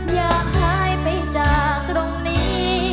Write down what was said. อยากหายไปจากตรงนี้